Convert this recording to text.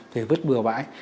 thì bứt bừa bãi